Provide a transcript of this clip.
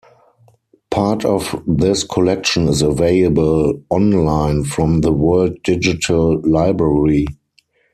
Part of this collection is available on-line from the World Digital Library.